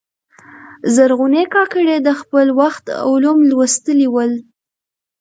زرغونې کاکړي د خپل وخت علوم لوستلي ول.